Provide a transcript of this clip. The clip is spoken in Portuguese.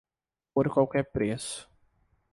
Por qualquer preço.